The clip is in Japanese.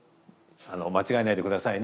間違えないでくださいね。